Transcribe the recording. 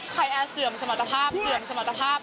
แอร์เสื่อมสมรรถภาพเสื่อมสมรรถภาพ